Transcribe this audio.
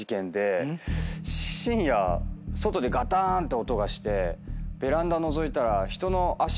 深夜外でガターンって音がしてベランダのぞいたら。